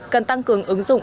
cần tăng cường ứng dụng